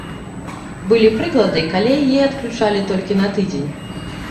Былі прыклады, калі яе адключалі толькі на тыдзень.